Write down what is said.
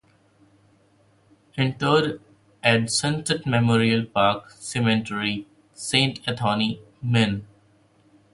Interred at Sunset Memorial Park Cemetery, Saint Anthony, Minn.